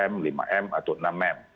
tiga m lima m atau enam m